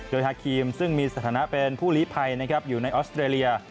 โดยฮาครีมซึ่งมีสถานะเป็นผู้ลิภัยนะครับอยู่ในออสเตรเลีย